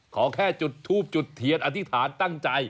ขอแค่จุดทูบจุดเทียนอธิษฐานตั้งใจ